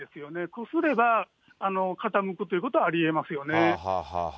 こすれば、傾くということはありえますよね。